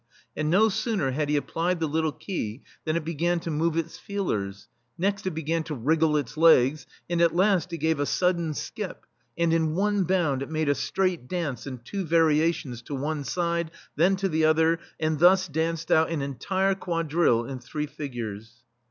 And no sooner had he applied the little key than it began to move its feelers ; next it began to wriggle its legs, and at last it gave a sudden skip, and in one bound it made a straight dance and two varia tions to one side, then to the other, and thus danced out an entire quadrille in three figures.